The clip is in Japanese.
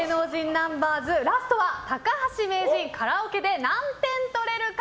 ナンバーズラストは高橋名人カラオケで何点取れるか？